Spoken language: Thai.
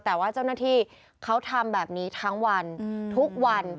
แต่ว่าเจ้าหน้าที่เขาทำแบบนี้ทั้งวันทุกวัน